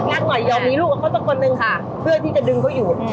ยังมีลูกกับเขาเป็นคนนึงค่ะเพื่อทีจะดึงเขาอยู่